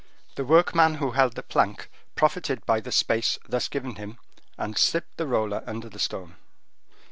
The workman who held the plank profited by the space thus given him, and slipped the roller under the stone.